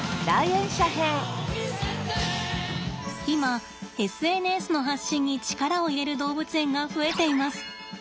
今ＳＮＳの発信に力を入れる動物園が増えています。